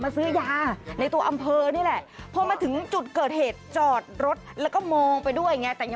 จะหักขวาเดินไปหักซ้าย